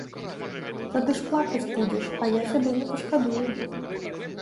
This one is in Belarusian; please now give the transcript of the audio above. Тады ж плакаць будзеш, а я цябе не пашкадую.